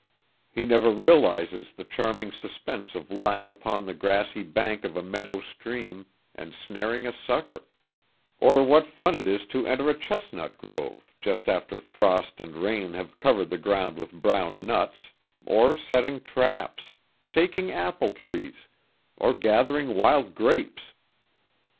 He never realizes the charming suspense of lying upon the grassy bank of a meadow stream and snaring a sucker, or what fun it is to enter a chestnut grove just after frost and rain have covered the ground with brown nuts, or setting traps, shaking apple trees, or gathering wild grapes!